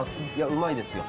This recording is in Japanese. うまいですよ。